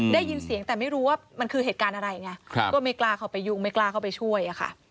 ได้ยินเสียงแต่ไม่รู้ว่ามันคือเหตุการณ์อะไรไงก็ไม่กล้าเข้าไปยุ่งไม่กล้าเข้าไปช่วยอะค่ะ